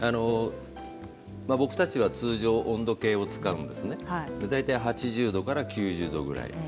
僕たちは通常温度計を使うんですね大体８０度から９０度ぐらい。